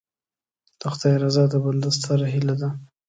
د خدای رضا د بنده ستره هیله ده.